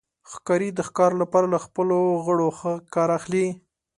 ښکاري د ښکار لپاره له خپلو غړو ښه کار اخلي.